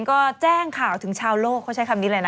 ก็แจ้งข่าวถึงชาวโลกเขาใช้คำนี้เลยนะ